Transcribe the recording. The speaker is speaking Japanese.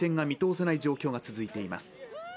見通せない状況が続いています。